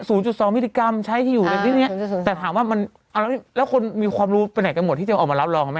ศูนย์จุดสองมิตรกรรมใช้ที่อยู่แบบนี้เนี้ยแต่ถามว่ามันเอาแล้วแล้วคนมีความรู้เป็นไหนกันหมดที่จะออกมารับรองไหมอ่ะ